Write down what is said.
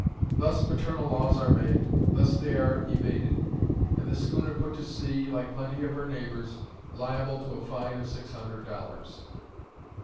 Thus paternal laws are made, thus they are evaded; and the schooner put to sea, like plenty of her neighbours, liable to a fine of six hundred dollars.